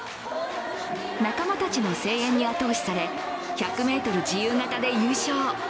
仲間たちの声援に後押しされ１００ｍ自由形で優勝。